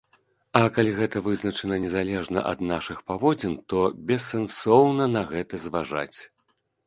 А калі гэта вызначана незалежна ад нашых паводзін, то бессэнсоўна на гэта зважаць.